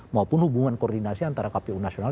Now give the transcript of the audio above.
maupun hubungan koordinasi antara kpu nasional